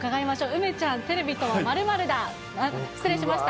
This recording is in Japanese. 梅ちゃん、テレビとは、失礼しました。